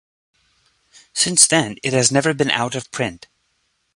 Since then, it has never been out of print.